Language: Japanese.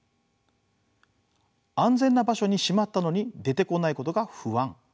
安全な場所にしまったのに出てこないことが不安。